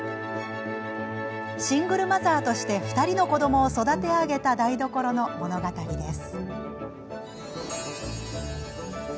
シングルマザーとして２人の子どもを育て上げた台所の物語です。